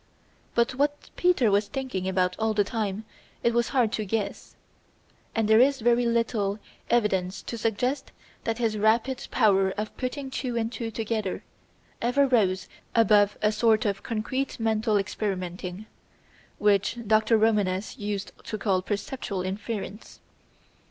But what Peter was thinking about all the time it was hard to guess, and there is very little evidence to suggest that his rapid power of putting two and two together ever rose above a sort of concrete mental experimenting, which Dr. Romanes used to call perceptual inference.